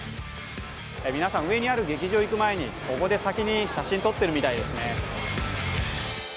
皆さん、上にある劇場へ行く前に先にここで写真撮ってるみたいですね。